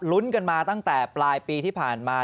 ลุ้นกันมาตั้งแต่ปลายปีที่ผ่านมา